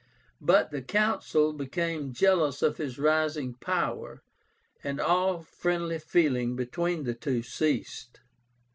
But the Consul became jealous of his rising power, and all friendly feeling between the two ceased.